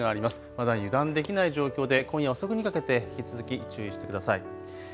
まだ油断できない状況で今夜遅くにかけて引き続き注意してください。